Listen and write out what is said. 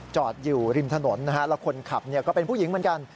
จอดอยู่ริมถนนนะฮะแล้วคนขับก็เป็นผู้หญิงเหมือนกัน